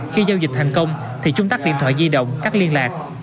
khi giao dịch thành công thì chúng tắt điện thoại di động cắt liên lạc